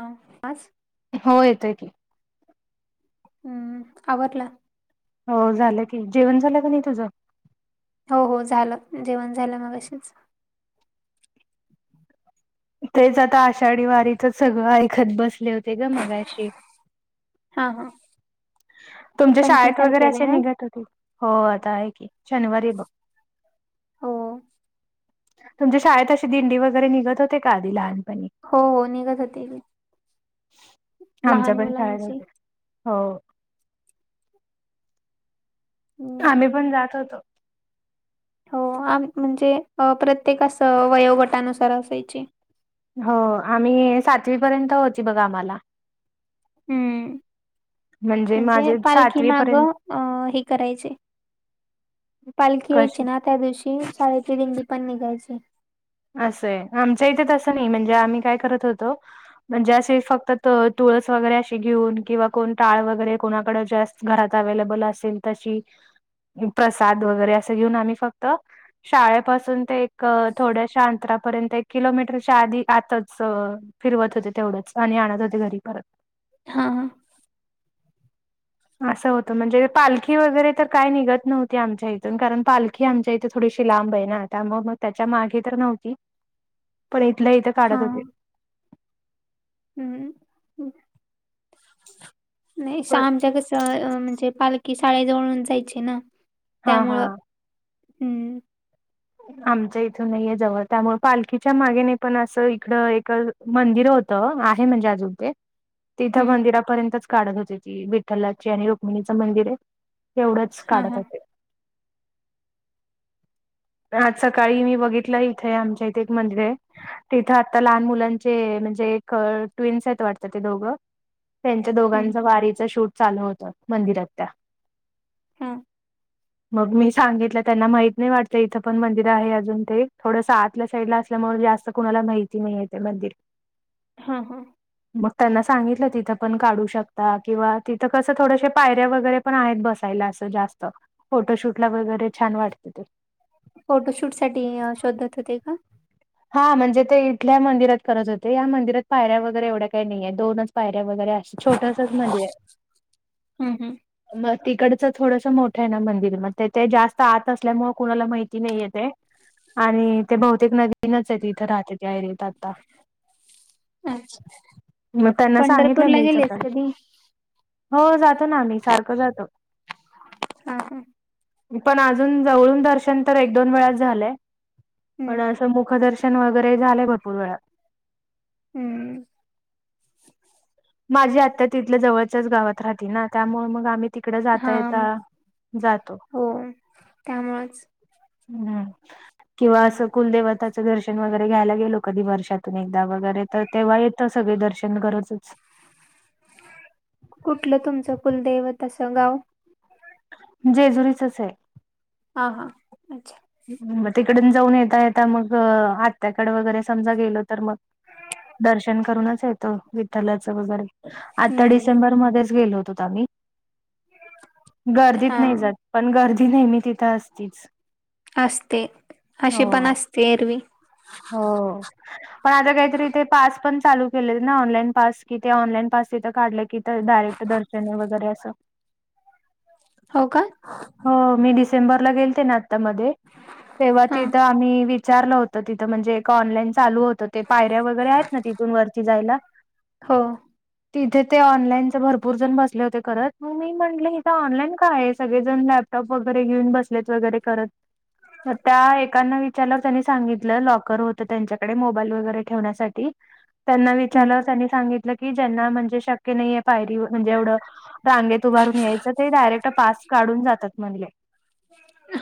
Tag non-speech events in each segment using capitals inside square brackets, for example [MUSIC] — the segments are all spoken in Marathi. ह पाच. हो येतोय की. हम्म आवरला. हो झालं. की जेवण झालं का नाही तुझं? हो हो झालं जेवण झालं मगाशीच. तेच आता आषाढी वारीच सगळं ऐकत बसले होते ग मगाशी. हा हा. तुमच्या पंचवीस शाळेत वगैरे तारखेला असे आहे ना निघत होते हो आता आहे की शनिवारी बघ. हो तुमच्या शाळेत अशी दिंडी वगैरे निघत होते का आधी लहानपणी? हो हो निघत होते आमच्या लहान पण शाळेत मुलांची. होते हो. हम्म आम्ही पण जात होतो. हो आमी म्हणजे प्रत्येकास वयोगटानुसार असायचे. हो आम्ही सातवी पर्यंत होती बघा आम्हाला. हम्म म्हणजे माझे पालखी सातवी माग अ पर्यंत हे करायचे. पालखी कश यायची ना त्या दिवशी साडेती दिंडी पण निघायची. असं आहे आमच्या इथे तसं नाही म्हणजे आम्ही काय करत होतो. म्हणजे असे फक्त तुळस वगैरे अशी घेऊन किंवा कोण टाळ वगैरे कोणाकडे जा घरात अवेलेबल असेल तशी प्रसाद वगैरे असं घेऊन आम्ही फक्त शाळेपासून ते एक थोड्या शांतरापर्यंत एक किलोमीटरच्या आधी आतच फिरवत होते तेवढंच आणि आणत होते घरी परत. हा ह. असं होतं म्हणजे पालखी वगैरे तर काय निघत नव्हती आमच्या इथून कारण पालखी आमच्या इथ थोडीशी लांब आहे ना आता मग मग त्याच्या मागे तर नव्हती पण इथलं इथं हा काढत होते. हम्म नाही पण शमच्याग म्हणजे पालखी शाळे जवळून जायची ना हा त्यामुळं हा हम्म. आमच इथून नाहीये जवळ त्यामुळ पालखीच्या मागेने पण असं इकड एक मंदिर होत आहे म्हणजे अजून तेे तिथं हम्म मंदिरापर्यंत काढत होते ती विठ्ठलाची आणि रुक्मिणीचं मंदिर आहे तेवढंच हा काढत हा होते. आज सकाळी मी बघितलं इथे आमच्या इथे एक मंदिर आहे. तिथं आता लहान मुलांचे म्हणजे एक ट्वीन्स आहेत वाटत ती दोघं. त्यांच हम्म दोघांच वारीचं शूट चालू होतं मंदिरात त्या. हम्म. मग मी सांगितलं त्यांना माहित नाही वाट त इथं पण मंदिर आहे अजून ते थोडस आतल्या साईडला असल्यामुळे जास्त कुणाला माहिती नाही आहे ते मंदिर. [INAUDIBLE] हा हा. मग त्यांना सांगितल तिथ पण काढू शकता किंवा तिथ कस थोडसे पायऱ्या वगैरे पण आहेत बसायला अस जास्त फोटोशूट ला वगैरे छान वाटते. फोटोशूट साठी शोधत होते का? हा म्हणजे ते इथल्या मंदिरात करत होते. या मंदिरात पायऱ्या वगैरे एवढ्या काही नाहीये. दोनच पायऱ्या वगैरे अस छोटसच मदीर हाय. हम्म हम्म मग तिकड थोडस मोठं आहे ना मंदिर. म ते जास्त आत असल्यामुळे कुणाला माहिती नाहीय ते. आणि ते बहुतेक नवीनच आहे तिथ राहते त्या एरितात. अच्छा मग त्यांना सांगितल पंढरपूरला मी इथ गेलेस करा. कधी? हो जातो ना आम्ही सारख जातो. हम्म पण अजून जवळून दर्शन तर एक दोन वेळात झालंय. हम्म पण अस मुखदर्शन वगैरे झालंय भरपूर वेळा. हम्म. माझी आत्या तिथल्या जवळच्याच गावात राहती ना त्यामुळे मग आम्ही. तिकड हा जाता येता म- जातो. हो त्यामुळेच हम्म किंवा अस कुलदेवताचं दर्शन वगैरे घ्यायला गेलो कधी वर्षातून एकदा वगैरे तर तेव्हा येतं सगळे दर्शन करचच. कुठल तुमच कुलदैव तसं गाव? जेजुरीचच हाय. हा. हा. अच्छा! मग तिकडन जाऊन येता येता मग आत्याकडे वगैरे समजा गेल तर मग दर्शन करूनच येतो. विठ्ठलचं वगैरे. हम्म आत्ता हम्म डिसेंबरमध्येच गेलो होतोत आम्ही. गर्दीत हा नाही जात. पण गर्दी नेहमी तिथं असतीच. असते. अशी पण हो असते एरवी. हो. पण आता काहीतरी ते पास पण चालू केलय ना ऑनलाईन पास कि ते ऑनलाईन पास तिथं काढलं की डायरेक्ट दर्शने वगैरे असं. हो का. हो मी डिसेंबरला गेलते ना आतामध्ये. तेव्हा हा तिथं आम्ही विचारलं होत. तिथ म्हणजे एका ऑनलान चालू होत. ते पायऱ्या वगैरे आहेत ना तिथून वरती जायला. हो तिथे ते ऑनलाईनच भरपूर जण बसले होते करत. मग मी म्हटले ये ऑनलाईन काय आहे सगळेजण लॅप वगैरे घेऊन बसलेत वगैरे करत. म त्या एकाना विचारल्यावर त्यांनी सांगित लॉकर होत त्यांच्याकडे मोबाईल वगेरे ठेवण्यासाठी त्यांना हम्म विचार त्यांनी सांगित म्ह की ज्यांना म्हणजे शक्य नाहीे पायरी म्हणजे एवढं रांगेत उभारून यायचं ते डायरेक्ट पास काढून जातात म्हणले.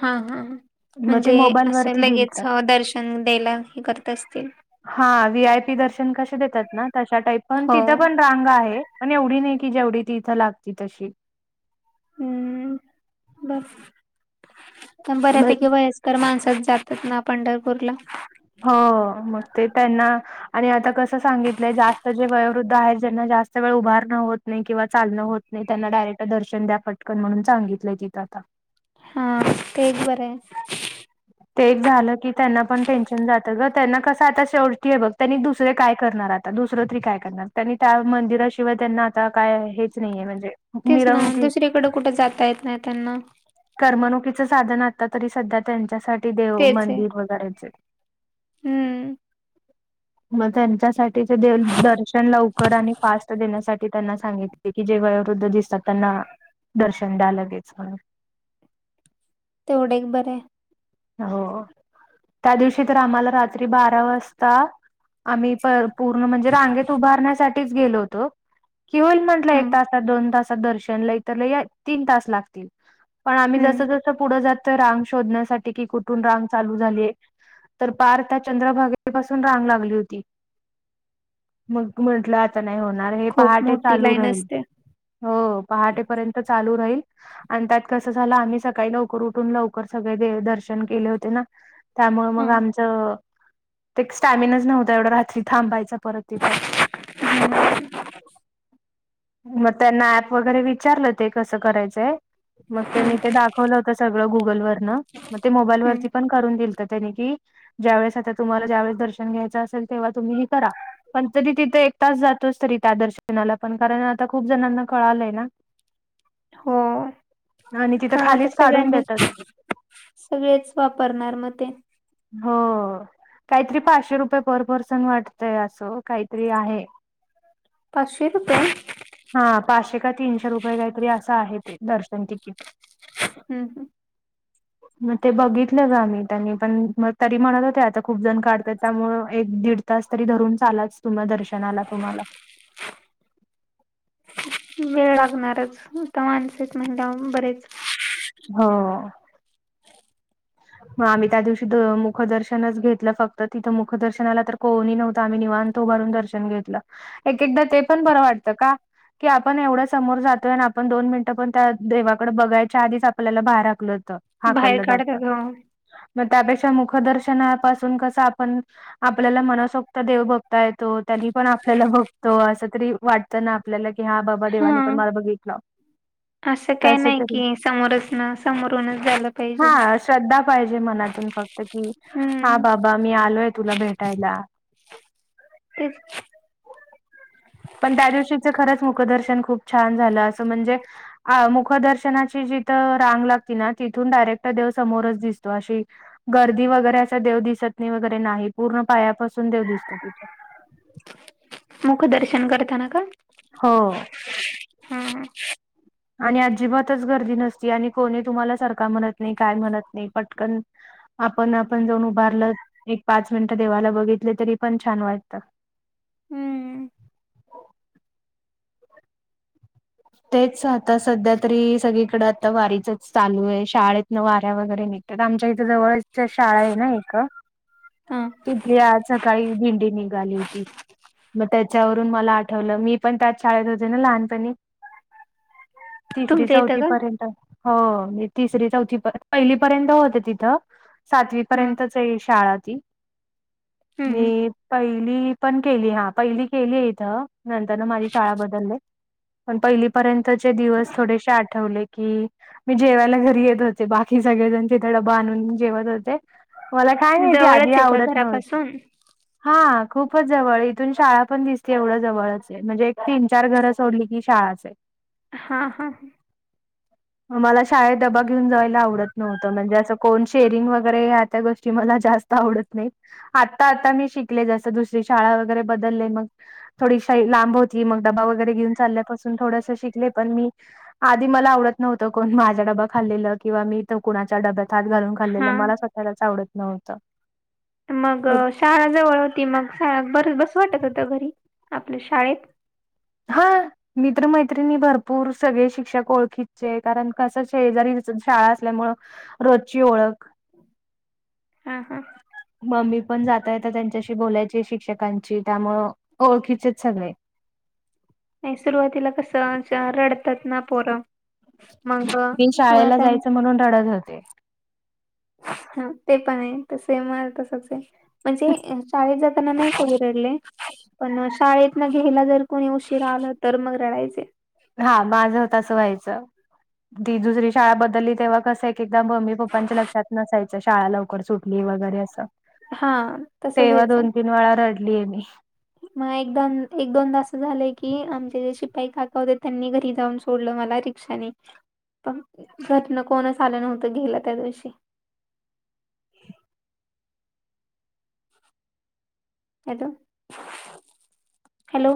हा हा मग ते मोबाईल वरती दिलत. डेला हे करत असतील. हा व्ही आय पी दर्शन कसे देतात ना तशा टाईप पण हो तिथं पण रांग आहे. पण एवढी नाही की जेवढी ती इथं लागती तशी. हम्म. बफ म बऱ्यापैकी वयस् कर माणसच जातात ना पंढरपूरला. हो. मग ते त्यांना आणि आता कस सांगितलंय जास्त जे वयोवृद्ध आहेत. ज्यांना जास्त वेळ उभारणं होत नाही किंवा चालणं होत नाही त्यांना डायरेक्ट दर्शन द्या फटकन म्हणून सांगितलंय तिथं आता. हा तेच बरं आहे. ते एक झालं की त्यांना पण टेन्शन जातं ग. त्यांना कसं आता शेवटी हे बघ त्यांनी दुसरे काय करणार- आता दुसरं तरी काय करणार त्यांनी त्या मंदिराशिवाय त्यांना आता काय हेच नाहीये म्हणजे तेच ना मिरवणुकी दुसरीकडे कुठं जाता येत नाही त्यांना. कर्मणुकीचं साधन आता तरी सध्या त्यांच्यासाठी देव तेच आहे मंदिर वगैरेच हम्म. मग त्यांच्यासाठी ते दर्शन लवकर आणि फास्ट देण्यासाठी ते त्यांना सांगितले की जे गयावृद्ध दिसतात त्यांना दर्शन द्यायलागयचं म्हणून तेवढे एक बरे हो त्या दिवशी तर आम्हाला रात्री बारा वाजता आम्ही पूर्ण म्हणजे रांगेत उभारण्यासाठीच गेलो होतो कि होल म्हंटलं हा एक तासात दोन तासात दर्शनला इ तर ल तीन तास लागतील पण आम्ही हम्म जसं जसं पुढं जातोय रांग शोधण्यासाठी की कुठून रांग चालू झालीय तर पार त्या चंद्रभागेपासून रांग लागली होती मग म्हंटलं आता नाही होणार हे खूप पहाटे मोठी चालू लाईन राहील असते हो पहाटेपर्यंत चालू राहील आणि त्यात कसं झालं आम्ही सकाळी लवकर उठून लवकर सगळे दर्श श केले होते ना त्यामुळे मग हम्म आमच ते एक स्टॅमिना नव्हता एवढं रात्री थांबायचं परत यथं हम्म मग त्यांना ऍप वगैरे विचारलं ते कसं करायचंय मग हम्म त्यांनी ते दाखवलं सगळं गुगल ववरन मग ते मोबाईल हम्म वरती पण करून दिलत त्यानी की ज्यावेळेस आता तुम्हाला ज्या वळे दर्शन घ्यायचं असेल तेव्हा तुम्ही करा पण तरी तिथं एक तास जातोच तरी त्या दर्शनाला पण कारण आता खूप जणांना कळालंय ना [INAUDIBLE] हो आणि तिथं ह त खालीच काढून का देतात सगळेच वापरणार मग ते हा काहीतरी पाचशे रुपये पर पर्सन वाटतय असं काहीतरी आहे पाचशे रुपये हा पाचशे का तीनशे रुपये काहीतरी असं आहे ते दर्शन तिकीट हम् हम मग ते बघितलं ग मी त्यांनी पण मग तरी म्हणत होते आता खूप जण काढते त्यामुळ एक दीड तास तरी धरून चालाच तुम दर्शनाला तुम्हाला ह वेळ लागणारच आता माणसच महिला बरेच होा ह आम्ही त्या दिवशी मुखदर्शनच घेतलं फक्त तिथं मुखदर्शनाला तर कोही नव्हतं आम्ही निवाणतो उभारून दर्शन घेतलं एक एकदा ते पण बरं वाटतं का की आपण एवढं समोर जातोय आणि आपण दोन मिनिटं पण त्या देवाकडे बघायच्या आधीच आपल्याला बाहेर आकल होतं बाहेर हाकलं जात काढतात हो मग त्यापेक्षा मुखदर्शनापासून कसं आपण आपल्याला मनसोक्त देवभत येतो त्यांनी पण आपल्याला बघतो अस तरी वाट ना आपल्याला की हा बाबा देवानी पण हा मार बगघेतला असं काही नाही कि समोरच ना, समोरूनच झालं पाहिजे. हा श्रद्धा पाहिजे मनातून फक्त कि हा हम्म बाबा, मी आलोय तुला भेटायला. [INAUDIBLE] पण त्या दिवशीच खरंच मुखदर्शन खूप छान झालं असं म्हणजे अ मुखदर्शनाची जिथं रांग लागती ना तिथून डायरेक्ट देव समोरच दिसतो अशी गर्दी वगैरे असं देव दिसत नाही वगैरे नाही, पूर्ण पायापासून देव दिसतो तिथं. मुखदर्शन करतांना का? हो. हम्म. आणि अजिबातच गर्दी नसती आणि कोणी तुम्हाला सरका म्हणत नाही काय म्हणत नाही पटकन आपण आपण जाऊन उभारलं एक पाच मिनटं देवाला बघितल तरी पण छान वाटतं. हम्म. तेच आता सध्या तरी सगळीकडे आता वारीचच चालूय शाळेतन वाऱ्या वगैरे निघ त्यात आमच्या इथे जवळच शाळा आहे ना एक. हा. तिथली आज सकाळी दिंडी निघाली होती. म त्याच्यावरून मला आठवलं, मी पण त्याच शाळेत होते ना लहानपणी. तिसरी तुमच्या इथं चौथी का? पर्यंत. हो मी तिसरी चौथी परें पहिली पर्यंत होत तिथं हम्म. सातवीपर्यंत च ई शाळा ती हम्म. मी पहिली पण केली हा पहिली केली इथं. नंतर माझी शाळा बदलले पण पहिलीपर्यंतचे दिवस थोडेसे आठवले. की मी जेवायला घरी येत होते बाकी सगळेजण तिथं डबा आणून जेवत होते. मला काय माहिती आधी जवळच आहे का आवडत नव्हतं घरापासून? [INAUDIBLE] हा खूपच जवळ इथून शाळा पण दिसते एवढं जवळच म्हणजे एक तीन चार घरं सोडली की शाळाच असते. [INAUDIBLE] हा हा ह. [INAUDIBLE] मला शाळेत दबा घेऊन जायला आवडत नव्हतं म्हणजे असं कोण शेअरिंग वगैरे त्या गोष्टी मला जास्त त आवडत नाही आता आता मी शिकले जस दुसरी शाळा वगैरे बदलले मग थोडीशी ही लांब होती मग डबा वगैरे घेऊन चालल्यापासून थोडसं शिकले पण मी. आधी मला आवडत नव्हतं कोण माझ्या डबां खाल्लेलं किंवा मी इथ कुणा डब्यात हात घालून हा. खाल्लेलं मला स्वतःलाच आवडत नव्हतं. मग मी शाळा जवळ होती मग शाळा बर बसू वाटत होत घरी आपल्या शाळेत? हा. मित्र मैत्रिणी भरपूर सगळे शिक्षक ओळखीचे कारण कसं शेजारी शाळा असल्यामुंळ. रोजची ओळख. हां हां. मम्मी पण जाता येता त्यांच्याशी बोलायची शिक्षकांची त्यामुळे ओळखीचेच सगळे. नाही सुरुवातीला कसं च रडतात ना पोरं. मग मी शाळेला आता जायचं म्हणून रडत होते. हम्म ते पण आहे तसे मग तसच आहे म्हणजे शाळेत जात. पुन्हा नाही कोणी रडले पण म शाळेत ना घ्यायला जर कोणी उशीरा आलं तर मग रडायचे. हा माझं तसं व्हायचं ती दुसरी शाळा बदलली तेव्हा कसं. एकदा मम्मी पप्पांच्या लक्षात नसायचं शाळा लवकर सुटली वगैरे असं. हा तसंच तेव्हा व्हायचं. दोन तीन वेळा रडलीय मी. मग एकदा एक दोनदा असं झालंय की आमचे जे शिपाई काका होते त्यांनी घरी जाऊन सोडलं मला. त्या क्षणी पण कोणीच आलं नव्हतं घ्यायला त्या दिवशी हॅलो हॅलो!